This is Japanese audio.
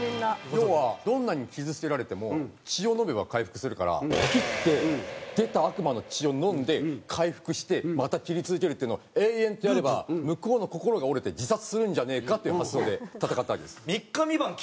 要はどんなに傷つけられても血を飲めば回復するから切って出た悪魔の血を飲んで回復してまた切り続けるっていうのを延々とやれば向こうの心が折れて自殺するんじゃねえかっていう発想で戦ったわけです。